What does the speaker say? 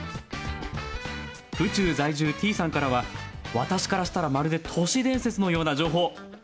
府中在住Ｔさんからは私からしたらまるで都市伝説のような情報。